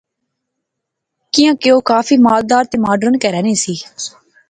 کیاں کہ او کافی مالدار تہ ماڈرن کہرے نی سی